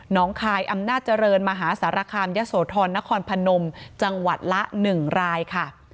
คายอำนาจเจริญมหาสารคามยะโสธรนครพนมจังหวัดละ๑รายค่ะ